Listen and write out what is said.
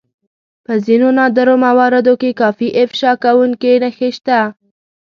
په ځينو نادرو مواردو کې کافي افشا کوونکې نښې شته.